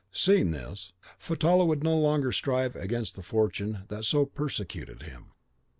"Seeing this, Fatallah would no longer strive against the fortune that so persecuted him.